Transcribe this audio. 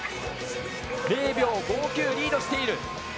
０秒５９リードしている。